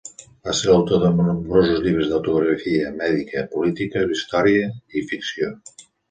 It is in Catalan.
Va ser l'autor de nombrosos llibres d'autobiografia mèdica, política, història i ficció.